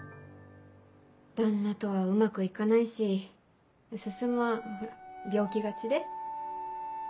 旦那とはうまく行かないし進はほら病気がちで。